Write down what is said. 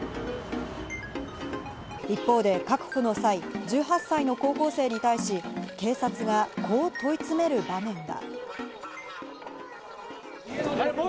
一方で、確保の際、１８歳の高校生に対し警察が、こう問い詰める場面が。